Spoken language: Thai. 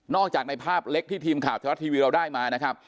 จากในภาพเล็กที่ทีมข่าวชะละทีวีเราได้มานะครับ